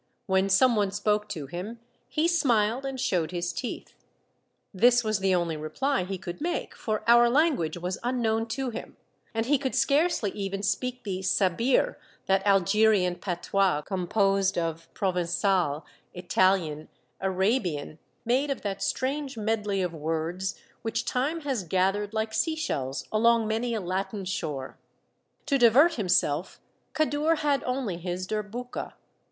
When some one spoke to him he smiled and showed his teeth. This was the only reply he could make, for our language was unknown to him, and he could scarcely even speak the Sabir, that Algerian 1 Native African regiment. A Turco of the Commune. i6i patois composed of Provencal, Italian, Arabian, — made of that strange medley of words which time has gathered like sea shells along many a Latin shore. To divert himself, Kadour had only his derbotika.